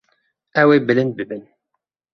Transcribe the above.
Ew ê bilind bibin.